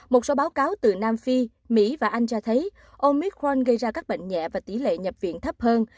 một số báo cáo từ nam phi mỹ và anh cho thấy omicron gây ra các bệnh nhẹ và tỷ lệ nhập viện thấp hơn